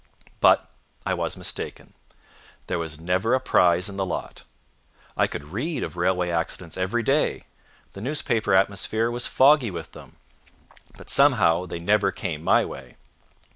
But I was mistaken. There was never a prize in the the lot. I could read of railway accidents every day the newspaper atmosphere was foggy with them; but somehow they never came my way.